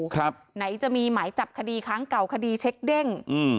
ครับไหนจะมีหมายจับคดีครั้งเก่าคดีเช็คเด้งอืม